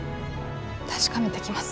確かめてきます。